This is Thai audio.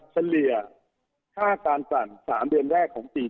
เฉลียค่าการตลาดเป็น๓เดือนแรก